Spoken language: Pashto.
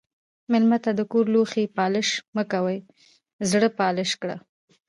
مېلمه ته د کور لوښي پالش مه کوه، زړه پالش کړه.